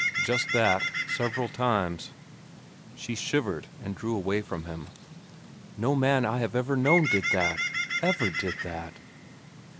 "Just that. Several times." She shivered and drew away from him. "No man that I have ever known did that—ever did that."